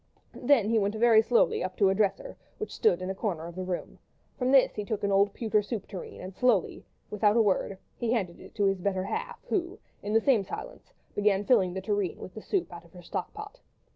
Then he went very slowly up to a dresser which stood in a corner of the room; from this he took an old pewter soup tureen and slowly, and without a word, he handed it to his better half, who, in the same silence, began filling the tureen with the soup out of her stock pot.